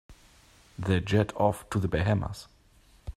They jetted off to the Bahamas.